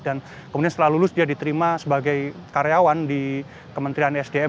dan kemudian setelah lulus dia diterima sebagai karyawan di kementerian sdm